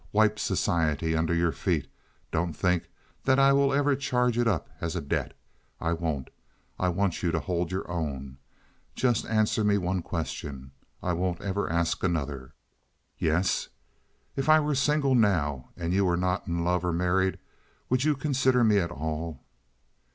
Wipe society under your feet. Don't think that I will ever charge it up as a debt. I won't. I want you to hold your own. Just answer me one question; I won't ever ask another." "Yes?" "If I were single now, and you were not in love or married, would you consider me at all?"